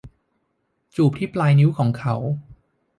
จูบที่ปลายนิ้วของเขา